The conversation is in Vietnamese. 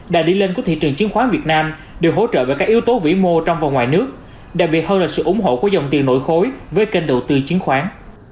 đà đi lên của thị trường chiến khoán việt nam được hỗ trợ bởi các yếu tố vĩ mô trong và ngoài nước đặc biệt hơn là sự ủng hộ của dòng tiền nội khối với kênh đầu tư chiến khoán